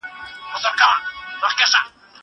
زه له سهاره چپنه پاکوم!